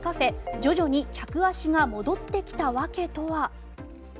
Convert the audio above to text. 徐々に客足が戻ってきたわけとは。